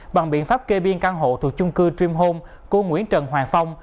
bằng biện pháp kê biên căn hộ thuộc chung cư dream home của nguyễn trần hoàng phong